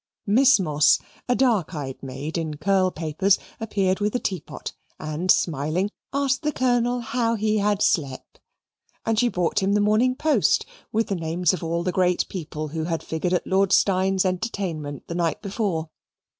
Miss Moss, a dark eyed maid in curl papers, appeared with the teapot, and, smiling, asked the Colonel how he had slep? And she brought him in the Morning Post, with the names of all the great people who had figured at Lord Steyne's entertainment the night before.